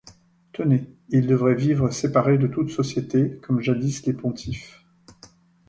Tenez! ils devraient vivre séparés de toute société, comme jadis les pontifes.